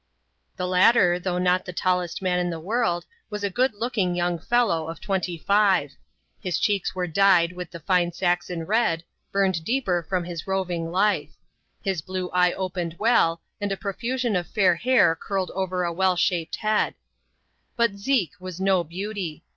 The latter, though not the tallest man in the world, was a good looking young fel low, of twenty five. His cheeks were dyed with the fine Saxon red, burned deeper from his roving life ; his blue eye opened well, and a profusion of fair hair curled over a well shaped head^ But Zeke was no beauty.